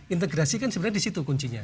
integrasi kan sebenarnya disitu kuncinya